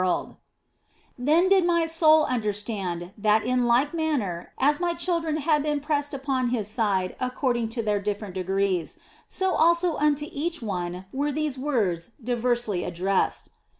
236 THE BLESSED ANGELA Then did my soul understand that in like manner as my children had been pressed upon His side according to their different degrees, so also unto each one were these words diversely addressed.